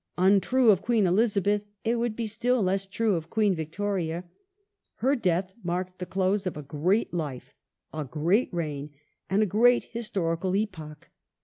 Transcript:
Untrue of Queen Elizabeth, it would be and an ,.. era .. still less true of Queen Victoria. Her death marked the close of a great life, a great reign, and a great historical epoch.